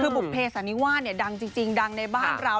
คือบุกเพศอ่านิว่าเนี่ยดังจริงจริงดังในบ้านเรา